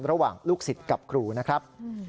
ระหว่างลูกศิษย์กับครูนะครับ